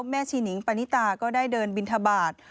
แม่ชีนิงปณิตาก็ได้เดินบิณฑบาตร